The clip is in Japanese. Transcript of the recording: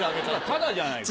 タダじゃないか。